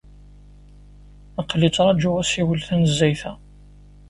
Aql-i ttrajuɣ asiwel tanezzayt-a.